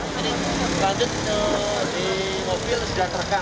jadi lanjut di mobil sudah terekam